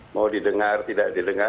mau didengar tidak didengar